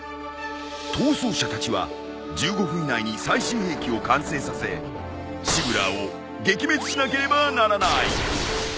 逃走者たちは１５分以内に最終兵器を完成させシブラーを撃滅しなければならない。